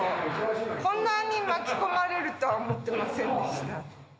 こんなに巻き込まれるとは思ってませんでした。